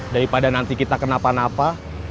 daripada nanti kita kenapa napa